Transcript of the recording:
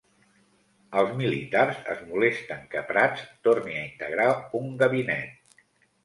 Els militars es molesten que Prats torni a integrar un gabinet.